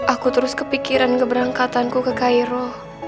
aku terus kepikiran keberangkatanku ke cairo